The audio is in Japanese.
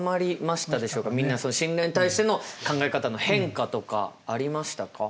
みんな信頼に対しての考え方の変化とかありましたか？